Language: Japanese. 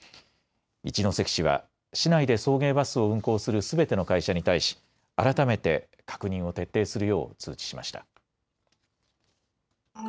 一関市は市内で送迎バスを運行するすべての会社に対し改めて確認を徹底するよう通知しました。